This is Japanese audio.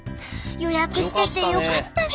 予約しててよかったね！